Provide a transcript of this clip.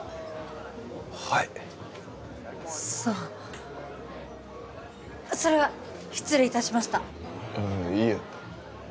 はいそうそれは失礼いたしましたああいえ